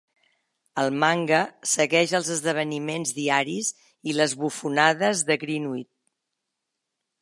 El manga segueix els esdeveniments diaris i les bufonades de Greenwood.